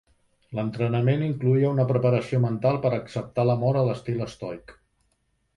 L'entrenament incloïa una preparació mental per acceptar la mort a l'estil estoic.